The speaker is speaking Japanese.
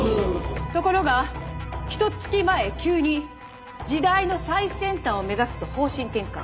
ところがひと月前急に時代の最先端を目指すと方針転換。